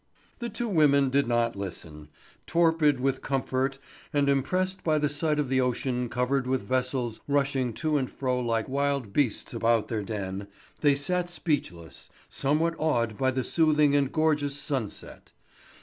The two women did not listen. Torpid with comfort and impressed by the sight of the ocean covered with vessels rushing to and fro like wild beasts about their den, they sat speechless, somewhat awed by the soothing and gorgeous sunset.